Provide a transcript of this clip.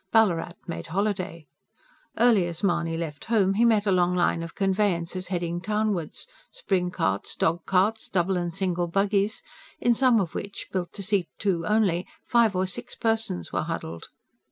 Ballarat made holiday. Early as Mahony left home, he met a long line of conveyances heading townwards spring carts, dogcarts, double and single buggies, in some of which, built to seat two only, five or six persons were huddled.